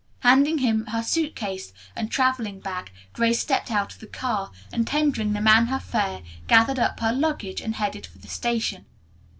Handing him her suit case and traveling bag Grace stepped out of the car, and tendering the man her fare, gathered up her luggage and headed for the station.